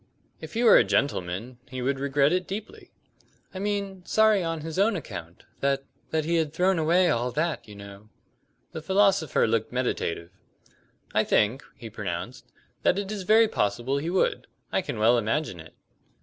"If he were a gentleman he would regret it deeply." "I mean sorry on his own account; that that he had thrown away all that, you know?" The philosopher looked meditative. "I think," he pronounced, "that it is very possible he would. I can well imagine it."